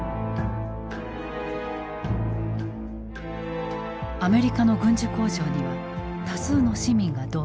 アメリカの軍需工場には多数の市民が動員された。